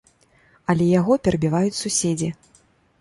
Але яго перабіваюць суседзі.